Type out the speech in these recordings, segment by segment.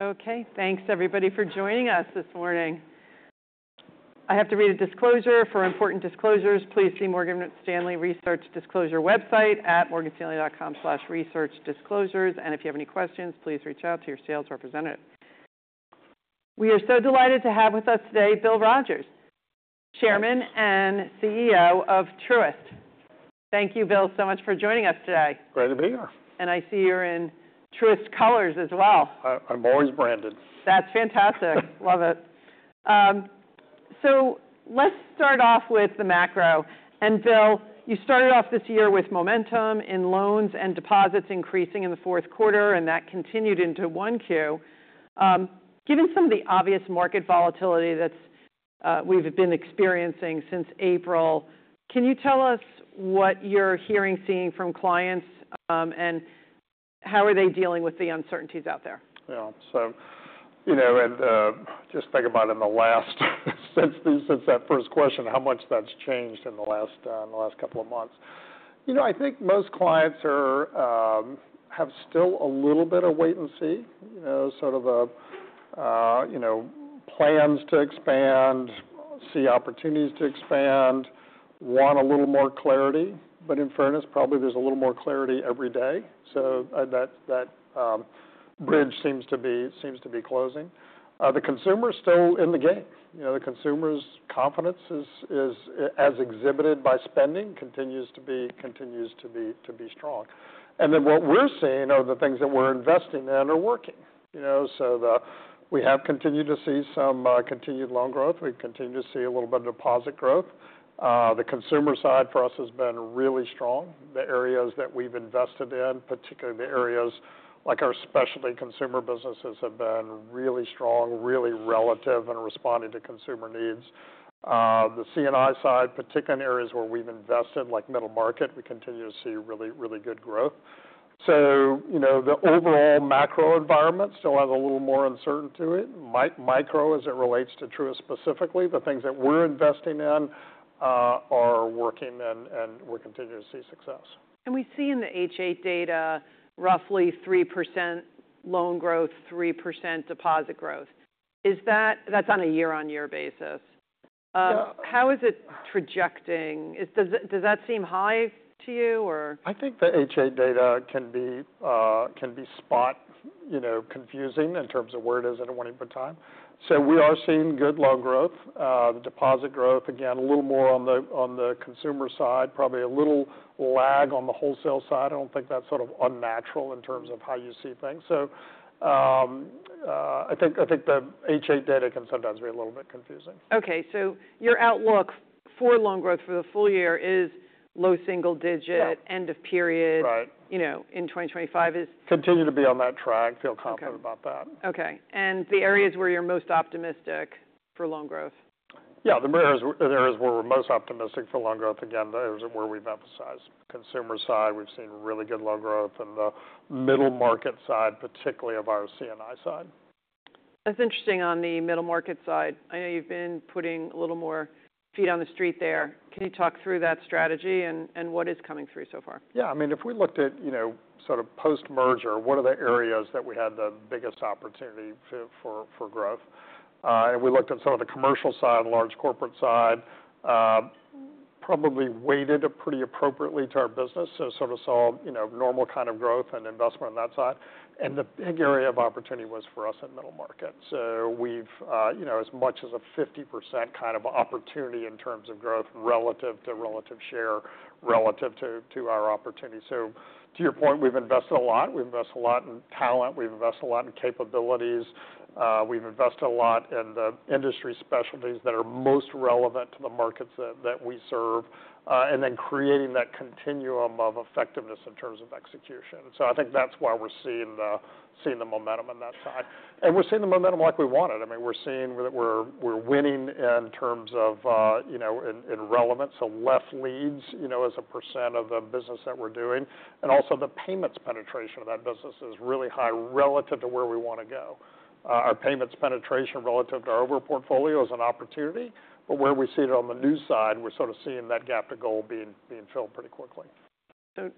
Okay, thanks everybody for joining us this morning. I have to read a disclosure for important disclosures. Please see Morgan Stanley Research Disclosure website at morganstanley.com/researchdisclosures. If you have any questions, please reach out to your sales representative. We are so delighted to have with us today Bill Rogers, Chairman and CEO of Truist. Thank you, Bill, so much for joining us today. Great to be here. I see you're in Truist colors as well. I'm always branded. That's fantastic. Love it. Let's start off with the macro. Bill, you started off this year with momentum in loans and deposits increasing in the fourth quarter, and that continued into 1Q. Given some of the obvious market volatility that we've been experiencing since April, can you tell us what you're hearing, seeing from clients, and how are they dealing with the uncertainties out there? Yeah, so you know, and just think about in the last, since that first question, how much that has changed in the last couple of months. You know, I think most clients have still a little bit of wait and see, you know, sort of plans to expand, see opportunities to expand, want a little more clarity. In fairness, probably there is a little more clarity every day. That bridge seems to be closing. The consumer is still in the game. You know, the consumer's confidence, as exhibited by spending, continues to be strong. What we are seeing are the things that we are investing in are working. You know, we have continued to see some continued loan growth. We have continued to see a little bit of deposit growth. The consumer side for us has been really strong. The areas that we've invested in, particularly the areas like our specialty consumer businesses, have been really strong, really relevant and responding to consumer needs. The CNI side, particularly in areas where we've invested, like middle market, we continue to see really, really good growth. You know, the overall macro environment still has a little more uncertainty to it. Micro, as it relates to Truist specifically, the things that we're investing in are working, and we're continuing to see success. We see in the H.8 data, roughly 3% loan growth, 3% deposit growth. Is that, that's on a year-on-year basis? Yeah. How is it projecting? Does that seem high to you or? I think the H.8 data can be, you know, confusing in terms of where it is at a one-year time. We are seeing good loan growth, deposit growth, again, a little more on the consumer side, probably a little lag on the wholesale side. I do not think that is sort of unnatural in terms of how you see things. I think the H.8 data can sometimes be a little bit confusing. Okay, so your outlook for loan growth for the full year is low single digit, end of period, you know, in 2025 is. Continue to be on that track, feel confident about that. Okay. The areas where you're most optimistic for loan growth? Yeah, the areas where we're most optimistic for loan growth, again, those are where we've emphasized. Consumer side, we've seen really good loan growth, and the middle market side, particularly of our CNI side. That's interesting on the middle market side. I know you've been putting a little more feet on the street there. Can you talk through that strategy and what is coming through so far? Yeah, I mean, if we looked at, you know, sort of post-merger, what are the areas that we had the biggest opportunity for growth? If we looked at sort of the commercial side, large corporate side, probably weighted it pretty appropriately to our business, so sort of saw, you know, normal kind of growth and investment on that side. The big area of opportunity was for us in middle market. We've, you know, as much as a 50% kind of opportunity in terms of growth relative to relative share, relative to our opportunity. To your point, we've invested a lot. We've invested a lot in talent. We've invested a lot in capabilities. We've invested a lot in the industry specialties that are most relevant to the markets that we serve, and then creating that continuum of effectiveness in terms of execution. I think that's why we're seeing the momentum on that side. We're seeing the momentum like we want it. I mean, we're seeing that we're winning in terms of, you know, in relevance, so left leads, you know, as a percent of the business that we're doing. Also, the payments penetration of that business is really high relative to where we want to go. Our payments penetration relative to our overall portfolio is an opportunity, but where we see it on the new side, we're sort of seeing that gap to goal being filled pretty quickly.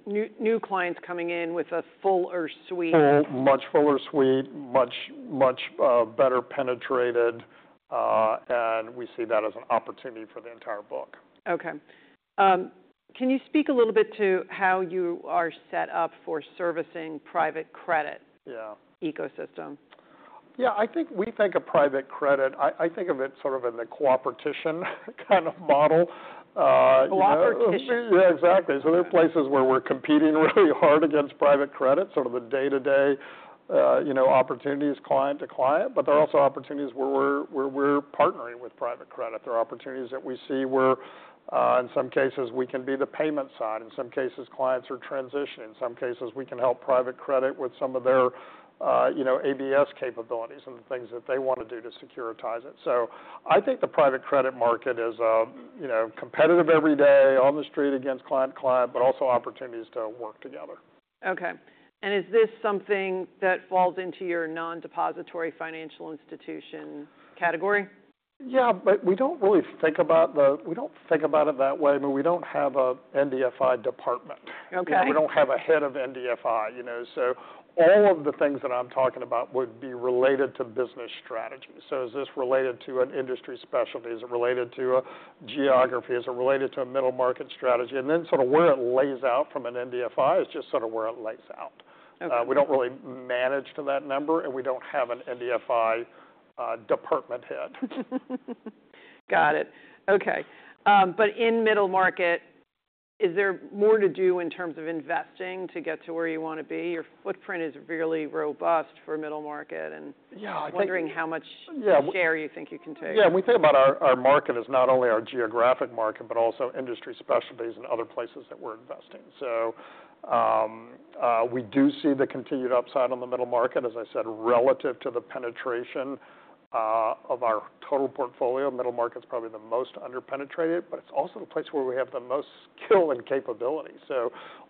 New clients coming in with a fuller suite. Full, much fuller suite, much, much better penetrated, and we see that as an opportunity for the entire book. Okay. Can you speak a little bit to how you are set up for servicing private credit ecosystem? Yeah, I think we think of private credit, I think of it sort of in the cooperation kind of model. Cooperation? Yeah, exactly. There are places where we're competing really hard against private credit, sort of the day-to-day, you know, opportunities client to client, but there are also opportunities where we're partnering with private credit. There are opportunities that we see where, in some cases, we can be the payment side. In some cases, clients are transitioning. In some cases, we can help private credit with some of their, you know, ABS capabilities and the things that they want to do to securitize it. I think the private credit market is, you know, competitive every day on the street against client to client, but also opportunities to work together. Okay. Is this something that falls into your non-depository financial institution category? Yeah, but we don't really think about the, we don't think about it that way. I mean, we don't have an NDFI department. Okay. We don't have a head of NDFI, you know. All of the things that I'm talking about would be related to business strategy. Is this related to an industry specialty? Is it related to a geography? Is it related to a middle market strategy? Where it lays out from an NDFI is just sort of where it lays out. We don't really manage to that number, and we don't have an NDFI department head. Got it. Okay. In middle market, is there more to do in terms of investing to get to where you want to be? Your footprint is really robust for middle market, and I'm wondering how much share you think you can take. Yeah, and we think about our market as not only our geographic market, but also industry specialties and other places that we're investing. We do see the continued upside on the middle market, as I said, relative to the penetration of our total portfolio. Middle market's probably the most under-penetrated, but it's also the place where we have the most skill and capability.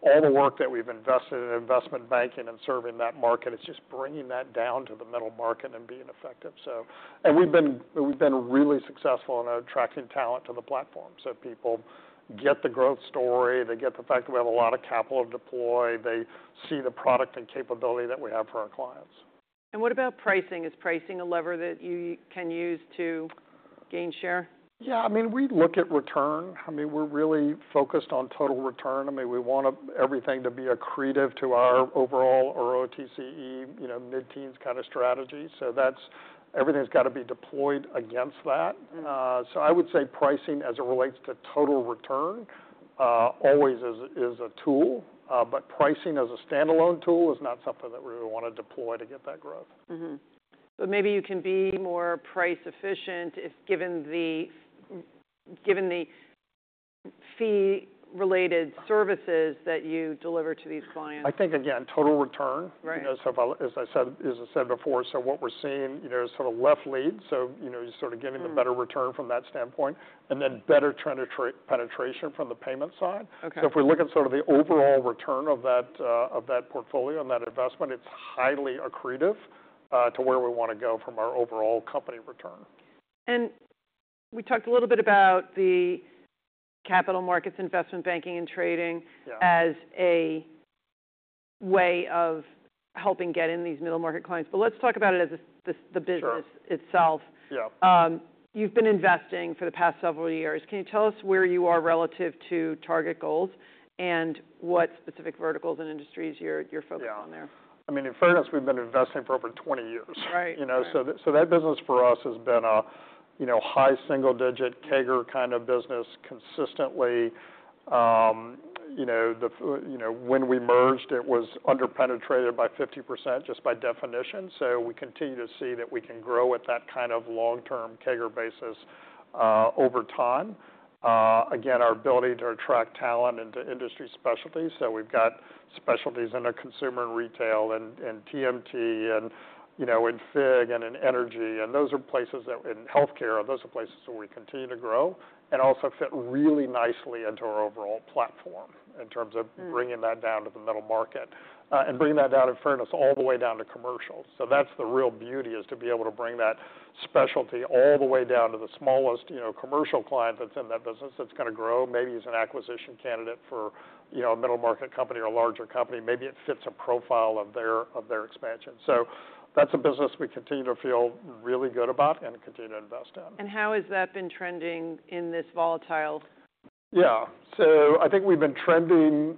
All the work that we've invested in investment banking and serving that market, it's just bringing that down to the middle market and being effective. We've been really successful in attracting talent to the platform. People get the growth story, they get the fact that we have a lot of capital to deploy, they see the product and capability that we have for our clients. What about pricing? Is pricing a lever that you can use to gain share? Yeah, I mean, we look at return. I mean, we're really focused on total return. I mean, we want everything to be accretive to our overall ROTCE, you know, mid-teens kind of strategy. That's, everything's got to be deployed against that. I would say pricing as it relates to total return always is a tool, but pricing as a standalone tool is not something that we really want to deploy to get that growth. Maybe you can be more price efficient if given the fee-related services that you deliver to these clients. I think, again, total return, you know, as I said before, what we're seeing, you know, is sort of left leads, so you know, you're sort of getting a better return from that standpoint, and then better penetration from the payment side. If we look at sort of the overall return of that portfolio and that investment, it's highly accretive to where we want to go from our overall company return. We talked a little bit about the capital markets, investment banking, and trading as a way of helping get in these middle market clients, but let's talk about it as the business itself. Sure. Yeah. You've been investing for the past several years. Can you tell us where you are relative to target goals and what specific verticals and industries you're focused on there? Yeah. I mean, in fairness, we've been investing for over 20 years. Right. You know, so that business for us has been a, you know, high single digit CAGR kind of business consistently. You know, when we merged, it was under-penetrated by 50% just by definition. We continue to see that we can grow at that kind of long-term CAGR basis over time. Again, our ability to attract talent into industry specialties. We have specialties in consumer and retail and TMT and, you know, in FIG and in energy. In healthcare, those are places where we continue to grow and also fit really nicely into our overall platform in terms of bringing that down to the middle market and bringing that down in fairness all the way down to commercial. That's the real beauty, to be able to bring that specialty all the way down to the smallest, you know, commercial client that's in that business that's going to grow, maybe as an acquisition candidate for, you know, a middle market company or a larger company, maybe it fits a profile of their expansion. That's a business we continue to feel really good about and continue to invest in. How has that been trending in this volatile? Yeah, so I think we've been trending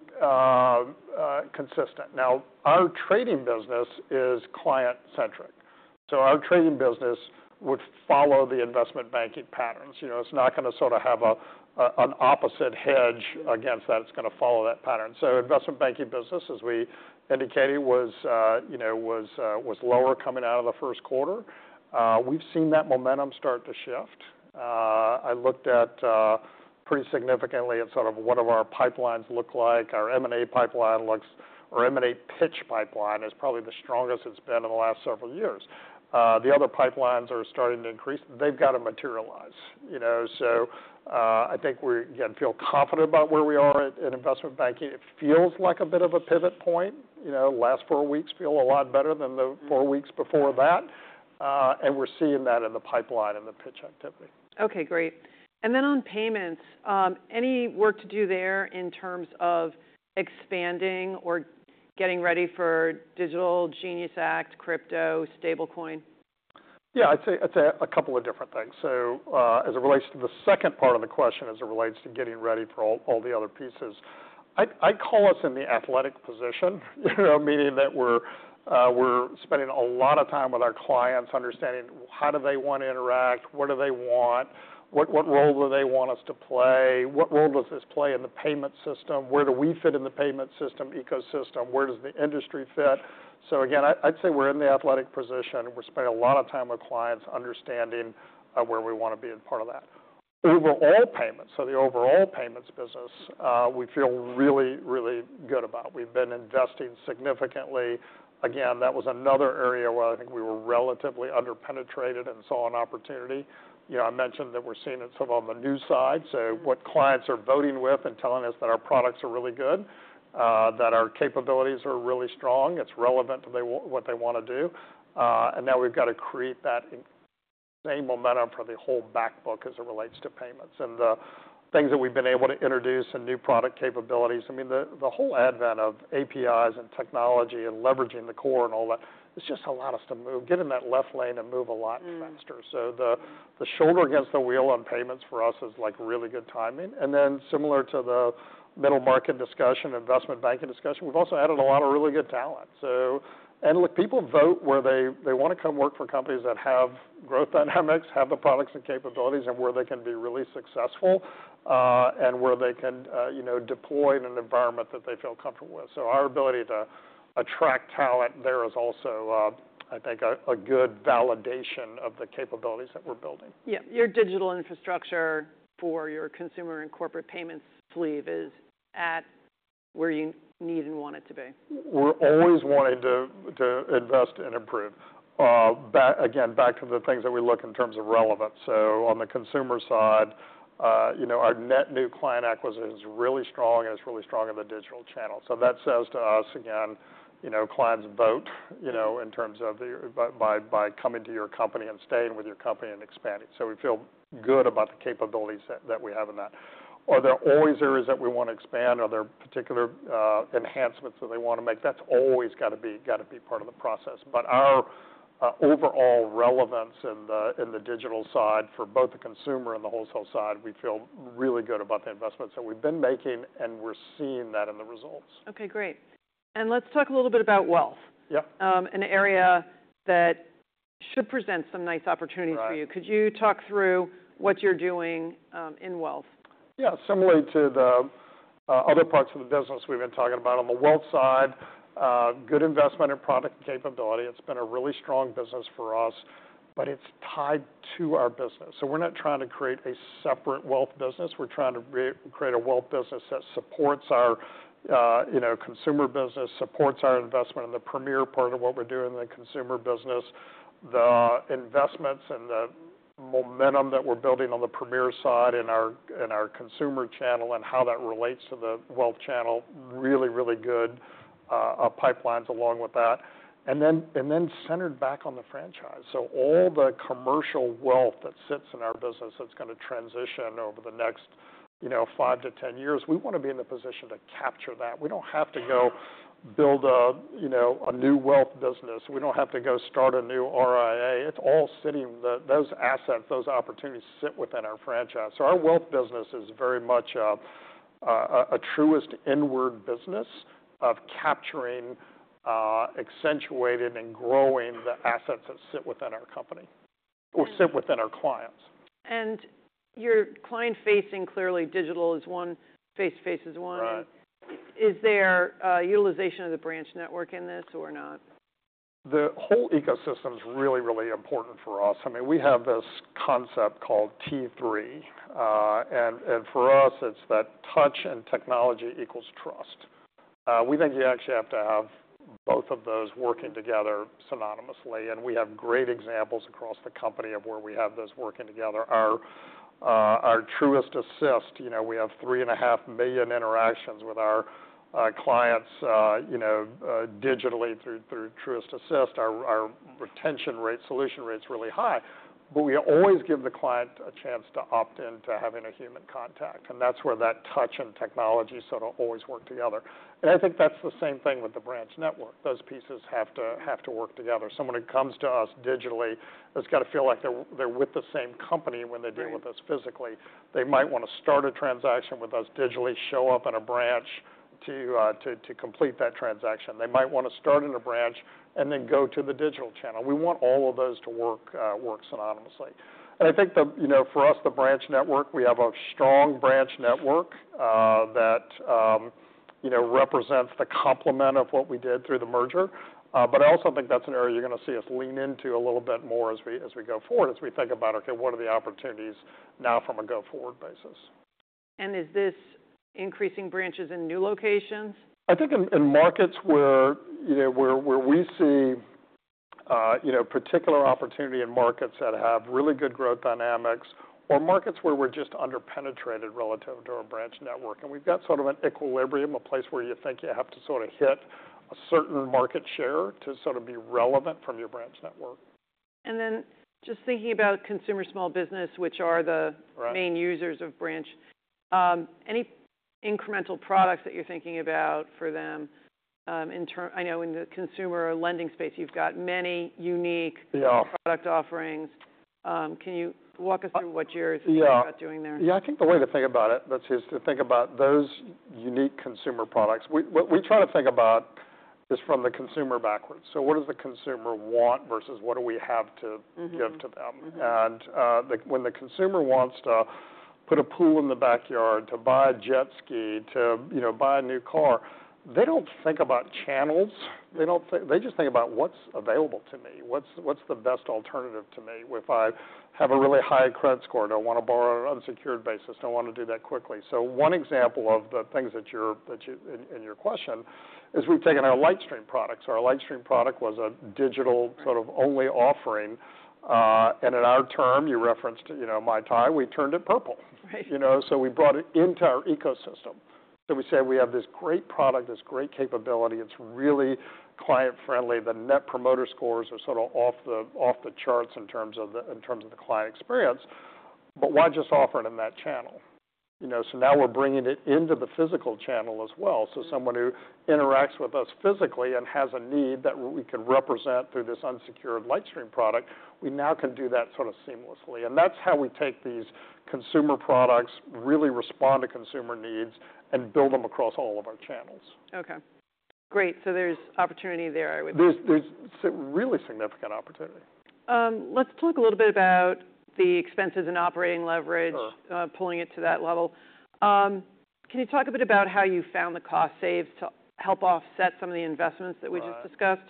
consistent. Now, our trading business is client-centric. Our trading business would follow the investment banking patterns. You know, it's not going to sort of have an opposite hedge against that. It's going to follow that pattern. Investment banking business, as we indicated, was, you know, was lower coming out of the first quarter. We've seen that momentum start to shift. I looked at pretty significantly at sort of what our pipelines look like. Our M&A pipeline looks, or M&A pitch pipeline is probably the strongest it's been in the last several years. The other pipelines are starting to increase. They've got to materialize, you know. I think we, again, feel confident about where we are in investment banking. It feels like a bit of a pivot point. You know, last four weeks feel a lot better than the four weeks before that. We are seeing that in the pipeline and the pitch activity. Okay, great. Then on payments, any work to do there in terms of expanding or getting ready for digital, GENIUS Act, crypto, stablecoin? Yeah, I'd say a couple of different things. As it relates to the second part of the question, as it relates to getting ready for all the other pieces, I call us in the athletic position, you know, meaning that we're spending a lot of time with our clients understanding how do they want to interact, what do they want, what role do they want us to play, what role does this play in the payment system, where do we fit in the payment system ecosystem, where does the industry fit. Again, I'd say we're in the athletic position. We're spending a lot of time with clients understanding where we want to be as part of that. Overall payments, so the overall payments business, we feel really, really good about. We've been investing significantly. Again, that was another area where I think we were relatively under-penetrated and saw an opportunity. You know, I mentioned that we're seeing it sort of on the new side. What clients are voting with and telling us is that our products are really good, that our capabilities are really strong, it's relevant to what they want to do. Now we've got to create that same momentum for the whole backbook as it relates to payments. The things that we've been able to introduce and new product capabilities, I mean, the whole advent of APIs and technology and leveraging the core and all that, it's just allowed us to move, get in that left lane and move a lot faster. The shoulder against the wheel on payments for us is like really good timing. Similar to the middle market discussion, investment banking discussion, we've also added a lot of really good talent. Look, people vote where they want to come work for companies that have growth dynamics, have the products and capabilities, and where they can be really successful and where they can, you know, deploy in an environment that they feel comfortable with. Our ability to attract talent there is also, I think, a good validation of the capabilities that we're building. Yeah. Your digital infrastructure for your consumer and corporate payments sleeve is at where you need and want it to be. We're always wanting to invest and improve. Again, back to the things that we look in terms of relevance. On the consumer side, you know, our net new client acquisition is really strong and it's really strong in the digital channel. That says to us, again, you know, clients vote, you know, in terms of by coming to your company and staying with your company and expanding. We feel good about the capabilities that we have in that. Are there always areas that we want to expand? Are there particular enhancements that they want to make? That's always got to be part of the process. Our overall relevance in the digital side for both the consumer and the wholesale side, we feel really good about the investments that we've been making and we're seeing that in the results. Okay, great. Let's talk a little bit about wealth. Yep. An area that should present some nice opportunities for you. Could you talk through what you're doing in wealth? Yeah, similarly to the other parts of the business we've been talking about on the wealth side, good investment and product capability. It's been a really strong business for us, but it's tied to our business. We're not trying to create a separate wealth business. We're trying to create a wealth business that supports our, you know, consumer business, supports our investment in the premier part of what we're doing in the consumer business. The investments and the momentum that we're building on the premier side in our consumer channel and how that relates to the wealth channel, really, really good pipelines along with that. Centered back on the franchise. All the commercial wealth that sits in our business that's going to transition over the next, you know, five to 10 years, we want to be in the position to capture that. We don't have to go build a, you know, a new wealth business. We don't have to go start a new RIA. It's all sitting, those assets, those opportunities sit within our franchise. So our wealth business is very much a Truist inward business of capturing, accentuating and growing the assets that sit within our company or sit within our clients. Your client-facing clearly digital is one, face-to-face is one. Is there utilization of the branch network in this or not? The whole ecosystem is really, really important for us. I mean, we have this concept called T3. For us, it is that touch and technology equals trust. We think you actually have to have both of those working together synonymously. We have great examples across the company of where we have those working together. Our Truist Assist, you know, we have 3.5 million interactions with our clients, you know, digitally through Truist Assist. Our retention rate, solution rate's really high, but we always give the client a chance to opt into having a human contact. That is where that touch and technology sort of always work together. I think that is the same thing with the branch network. Those pieces have to work together. Someone who comes to us digitally, it has got to feel like they are with the same company when they deal with us physically. They might want to start a transaction with us digitally, show up in a branch to complete that transaction. They might want to start in a branch and then go to the digital channel. We want all of those to work synonymously. I think, you know, for us, the branch network, we have a strong branch network that, you know, represents the complement of what we did through the merger. I also think that's an area you're going to see us lean into a little bit more as we go forward, as we think about, okay, what are the opportunities now from a go forward basis? Is this increasing branches in new locations? I think in markets where, you know, where we see, you know, particular opportunity in markets that have really good growth dynamics or markets where we're just under-penetrated relative to our branch network. And we've got sort of an equilibrium, a place where you think you have to sort of hit a certain market share to sort of be relevant from your branch network. Just thinking about consumer small business, which are the main users of branch, any incremental products that you're thinking about for them? I know in the consumer lending space, you've got many unique product offerings. Can you walk us through what you're thinking about doing there? Yeah. Yeah, I think the way to think about it is to think about those unique consumer products. What we try to think about is from the consumer backwards. So what does the consumer want versus what do we have to give to them? And when the consumer wants to put a pool in the backyard, to buy a jet ski, to, you know, buy a new car, they do not think about channels. They just think about what is available to me, what is the best alternative to me if I have a really high credit score, do not want to borrow on an unsecured basis, do not want to do that quickly. So one example of the things that you are in your question is we have taken our LightStream products. Our LightStream product was a digital sort of only offering. In our term, you referenced, you know, my tie, we turned it purple, you know, so we brought it into our ecosystem. We say we have this great product, this great capability. It's really client-friendly. The net promoter scores are sort of off the charts in terms of the client experience. Why just offer it in that channel? You know, now we're bringing it into the physical channel as well. Someone who interacts with us physically and has a need that we can represent through this unsecured LightStream product, we now can do that sort of seamlessly. That's how we take these consumer products, really respond to consumer needs and build them across all of our channels. Okay. Great. So there's opportunity there. There's really significant opportunity. Let's talk a little bit about the expenses and operating leverage, pulling it to that level. Can you talk a bit about how you found the cost saves to help offset some of the investments that we just discussed?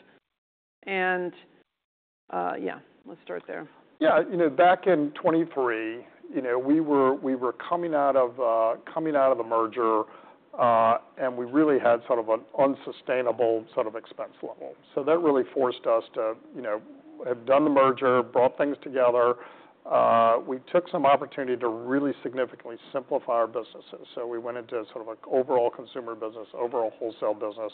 Yeah, let's start there. Yeah. You know, back in 2023, you know, we were coming out of a merger and we really had sort of an unsustainable sort of expense level. That really forced us to, you know, have done the merger, brought things together. We took some opportunity to really significantly simplify our businesses. We went into sort of an overall consumer business, overall wholesale business,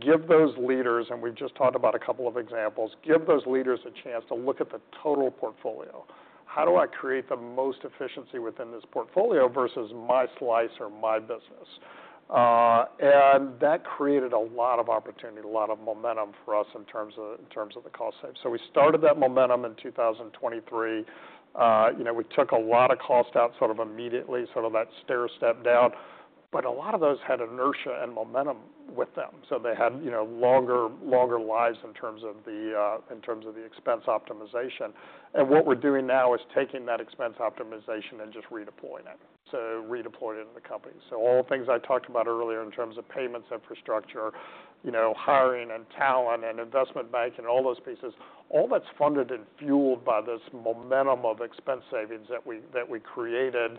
give those leaders, and we've just talked about a couple of examples, give those leaders a chance to look at the total portfolio. How do I create the most efficiency within this portfolio versus my slice or my business? That created a lot of opportunity, a lot of momentum for us in terms of the cost save. We started that momentum in 2023. You know, we took a lot of cost out sort of immediately, sort of that stair step down. A lot of those had inertia and momentum with them. They had, you know, longer lives in terms of the expense optimization. What we are doing now is taking that expense optimization and just redeploying it. Redeployed it in the company. All the things I talked about earlier in terms of payments infrastructure, you know, hiring and talent and investment banking and all those pieces, all that is funded and fueled by this momentum of expense savings that we created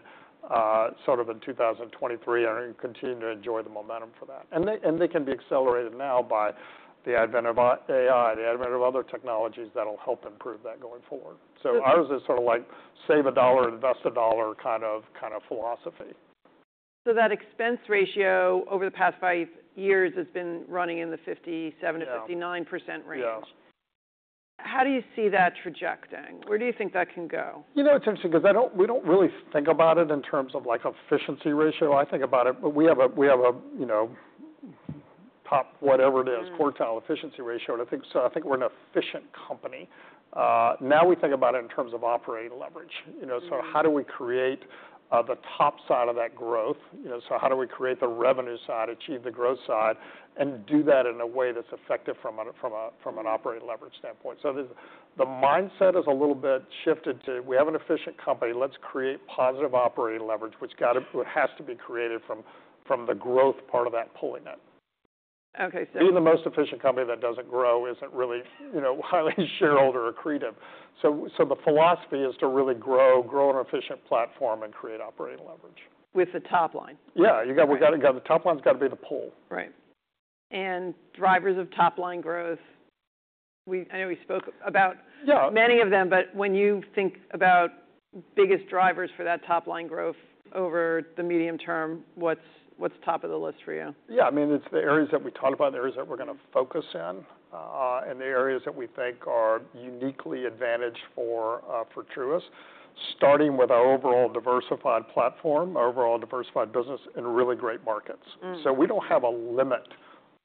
sort of in 2023 and continue to enjoy the momentum for that. They can be accelerated now by the advent of AI, the advent of other technologies that will help improve that going forward. Ours is sort of like save a dollar, invest a dollar kind of philosophy. That expense ratio over the past five years has been running in the 57%-59% range. Yeah. How do you see that trajecting? Where do you think that can go? You know, it's interesting because we don't really think about it in terms of like efficiency ratio. I think about it, but we have a, you know, top whatever it is, quartile efficiency ratio. I think we're an efficient company. Now we think about it in terms of operating leverage. You know, how do we create the top side of that growth? You know, how do we create the revenue side, achieve the growth side, and do that in a way that's effective from an operating leverage standpoint? The mindset is a little bit shifted to we have an efficient company, let's create positive operating leverage, which has to be created from the growth part of that, pulling it. Okay. Being the most efficient company that doesn't grow isn't really, you know, highly shareholder accretive. So the philosophy is to really grow, grow an efficient platform and create operating leverage. With the top line. Yeah. You got to, the top line's got to be the pull. Right. Drivers of top line growth, I know we spoke about many of them, but when you think about biggest drivers for that top line growth over the medium term, what's top of the list for you? Yeah. I mean, it's the areas that we talked about, the areas that we're going to focus in, and the areas that we think are uniquely advantaged for Truist, starting with our overall diversified platform, overall diversified business in really great markets. We don't have a limit,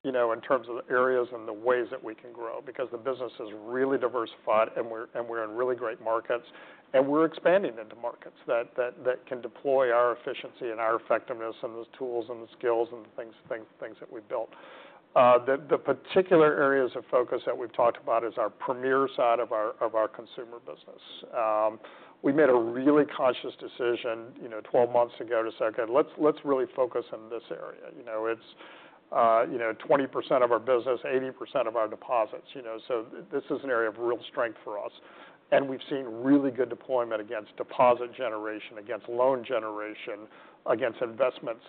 you know, in terms of the areas and the ways that we can grow because the business is really diversified and we're in really great markets and we're expanding into markets that can deploy our efficiency and our effectiveness and those tools and the skills and the things that we built. The particular areas of focus that we've talked about is our premier side of our consumer business. We made a really conscious decision, you know, 12 months ago to say, okay, let's really focus in this area. You know, it's, you know, 20% of our business, 80% of our deposits, you know. This is an area of real strength for us. We've seen really good deployment against deposit generation, against loan generation, against investments,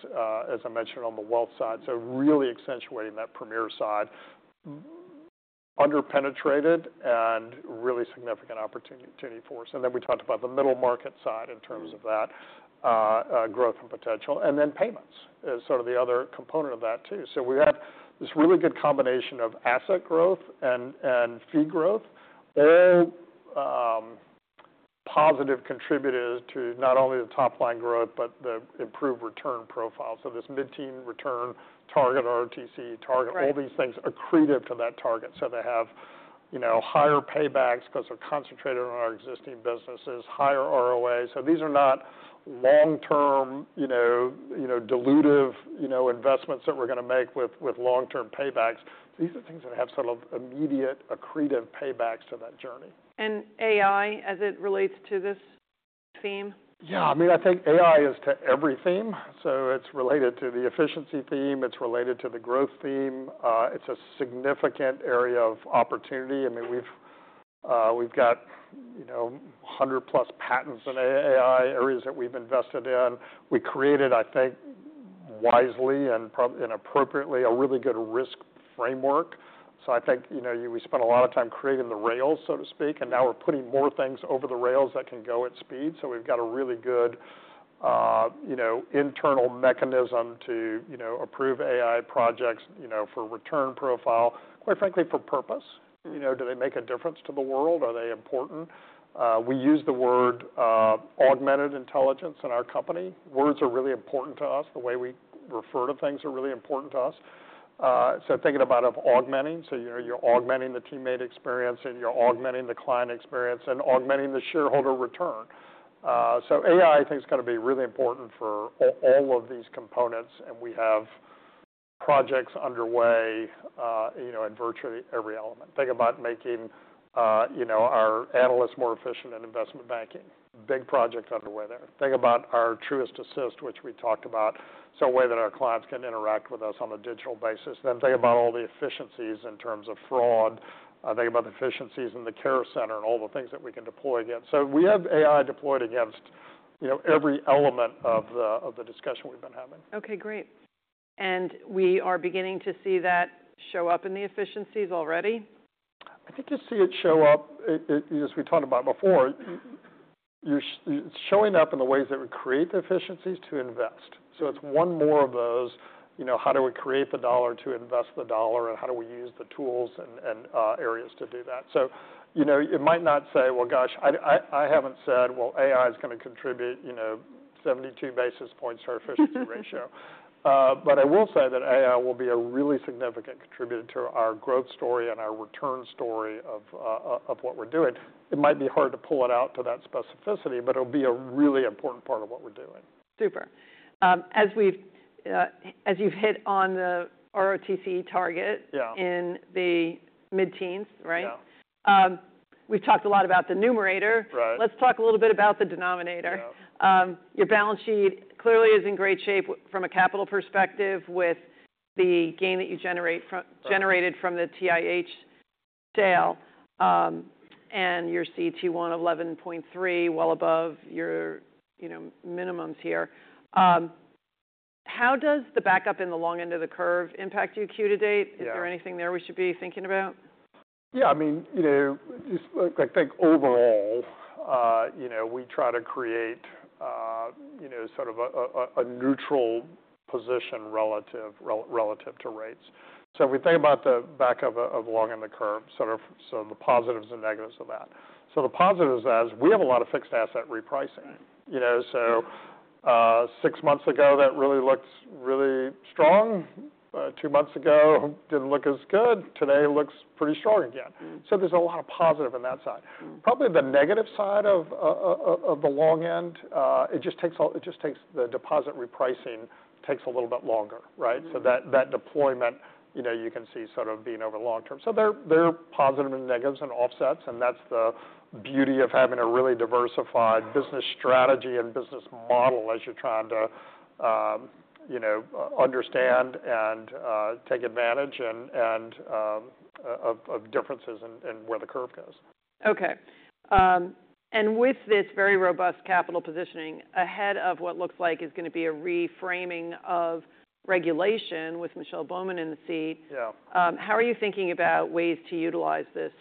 as I mentioned, on the wealth side. Really accentuating that premier side, under-penetrated and really significant opportunity for us. We talked about the middle market side in terms of that growth and potential. Payments is sort of the other component of that too. We have this really good combination of asset growth and fee growth, all positive contributors to not only the top line growth, but the improved return profile. This mid-teen return target, ROTCE target, all these things accretive to that target. They have, you know, higher paybacks because they're concentrated on our existing businesses, higher ROA. These are not long-term, you know, dilutive, you know, investments that we're going to make with long-term paybacks. These are things that have sort of immediate accretive paybacks to that journey. AI as it relates to this theme? Yeah. I mean, I think AI is to every theme. It is related to the efficiency theme. It is related to the growth theme. It is a significant area of opportunity. I mean, we have got, you know, 100+patents in AI, areas that we have invested in. We created, I think, wisely and appropriately, a really good risk framework. I think, you know, we spent a lot of time creating the rails, so to speak. Now we are putting more things over the rails that can go at speed. We have got a really good, you know, internal mechanism to, you know, approve AI projects, you know, for return profile, quite frankly, for purpose. You know, do they make a difference to the world? Are they important? We use the word augmented intelligence in our company. Words are really important to us. The way we refer to things are really important to us. Thinking about it of augmenting. You know, you're augmenting the teammate experience and you're augmenting the client experience and augmenting the shareholder return. AI, I think, is going to be really important for all of these components. We have projects underway, you know, in virtually every element. Think about making, you know, our analysts more efficient in investment banking. Big project underway there. Think about our Truist Assist, which we talked about. A way that our clients can interact with us on a digital basis. Think about all the efficiencies in terms of fraud. Think about the efficiencies in the care center and all the things that we can deploy against. We have AI deployed against, you know, every element of the discussion we've been having. Okay. Great. Are we beginning to see that show up in the efficiencies already? I think you see it show up, as we talked about before, it's showing up in the ways that we create the efficiencies to invest. It's one more of those, you know, how do we create the dollar to invest the dollar and how do we use the tools and areas to do that? You know, it might not say, well, gosh, I haven't said, well, AI is going to contribute, you know, 72 basis points to our efficiency ratio. I will say that AI will be a really significant contributor to our growth story and our return story of what we're doing. It might be hard to pull it out to that specificity, but it'll be a really important part of what we're doing. Super. As you've hit on the ROTCE target in the mid-teens, right? We've talked a lot about the numerator. Let's talk a little bit about the denominator. Your balance sheet clearly is in great shape from a capital perspective with the gain that you generated from the TIH sale and your CET1 of 11.3%, well above your, you know, minimums here. How does the backup in the long end of the curve impact you Q to date? Is there anything there we should be thinking about? Yeah. I mean, you know, I think overall, you know, we try to create, you know, sort of a neutral position relative to rates. If we think about the backup of long in the curve, sort of the positives and negatives of that. The positives, as we have a lot of fixed asset repricing, you know. Six months ago, that really looked really strong. Two months ago, did not look as good. Today looks pretty strong again. There is a lot of positive on that side. Probably the negative side of the long end, it just takes the deposit repricing takes a little bit longer, right? That deployment, you know, you can see sort of being over the long term. There are positives and negatives and offsets. That's the beauty of having a really diversified business strategy and business model as you're trying to, you know, understand and take advantage of differences in where the curve goes. Okay. With this very robust capital positioning ahead of what looks like is going to be a reframing of regulation with Michelle Bowman in the seat, how are you thinking about ways to utilize this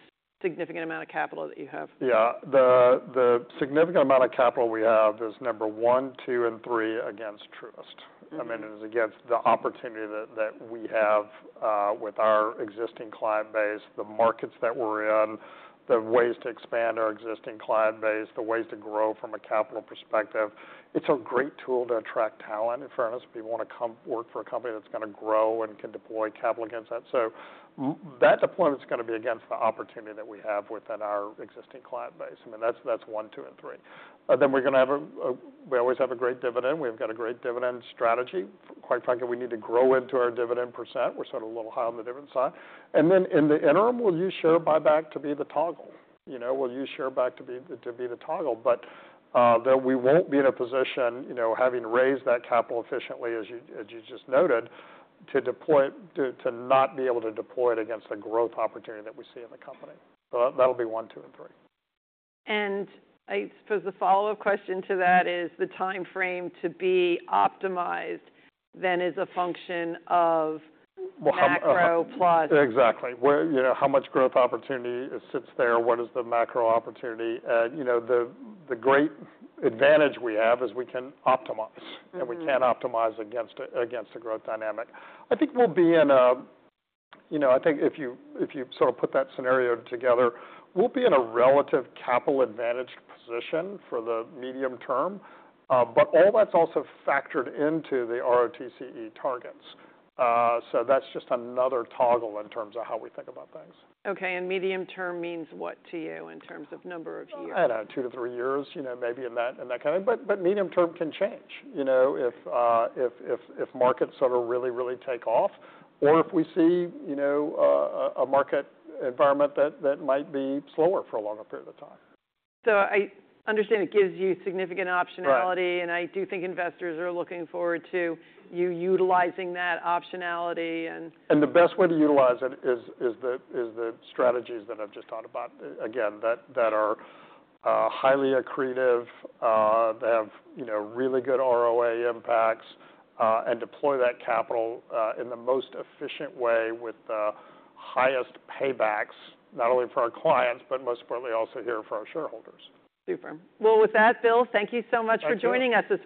significant amount of capital that you have? Yeah. The significant amount of capital we have is number one, two, and three against Truist. I mean, it is against the opportunity that we have with our existing client base, the markets that we're in, the ways to expand our existing client base, the ways to grow from a capital perspective. It's a great tool to attract talent in fairness. People want to come work for a company that's going to grow and can deploy capital against that. That deployment is going to be against the opportunity that we have within our existing client base. I mean, that's one, two, and three. We always have a great dividend. We've got a great dividend strategy. Quite frankly, we need to grow into our dividend percent. We're sort of a little high on the dividend side. In the interim, will you share buyback to be the toggle? You know, will you share back to be the toggle? We will not be in a position, you know, having raised that capital efficiently, as you just noted, to not be able to deploy it against the growth opportunity that we see in the company. That will be one, two, and three. I suppose the follow-up question to that is the timeframe to be optimized then is a function of macro plus. Exactly. You know, how much growth opportunity sits there? What is the macro opportunity? You know, the great advantage we have is we can optimize and we can optimize against the growth dynamic. I think we'll be in a, you know, I think if you sort of put that scenario together, we'll be in a relative capital advantage position for the medium term. All that's also factored into the ROTCE targets. That's just another toggle in terms of how we think about things. Okay. And medium term means what to you in terms of number of years? I don't know, two to three years, you know, maybe in that kind of thing. Medium term can change, you know, if markets sort of really, really take off or if we see, you know, a market environment that might be slower for a longer period of time. I understand it gives you significant optionality. I do think investors are looking forward to you utilizing that optionality. The best way to utilize it is the strategies that I've just talked about, again, that are highly accretive. They have, you know, really good ROA impacts and deploy that capital in the most efficient way with the highest paybacks, not only for our clients, but most importantly also here for our shareholders. Super. With that, Bill, thank you so much for joining us.